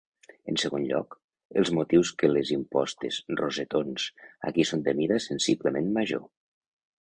En segon lloc, els motius de les impostes -rosetons- aquí són de mida sensiblement major.